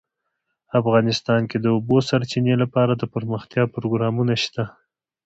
افغانستان کې د د اوبو سرچینې لپاره دپرمختیا پروګرامونه شته.